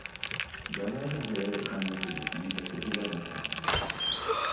ޖަލާންއަށް ހޭވެރިކަމެއްވީ މީހެއްގެ ހިލަމެއްވުމުން